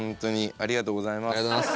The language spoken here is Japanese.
ありがとうございます。